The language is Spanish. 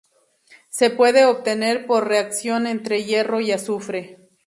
Se puede obtener por reacción entre hierro y azufre.